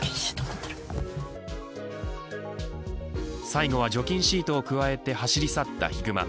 最後は除菌シートをくわえて走り去ったヒグマ。